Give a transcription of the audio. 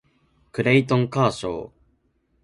クレイトン・カーショー